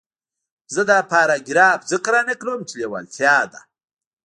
زه دا پاراګراف ځکه را نقلوم چې لېوالتیا ده.